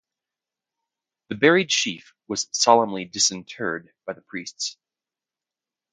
The buried sheaf was solemnly disinterred by the priests.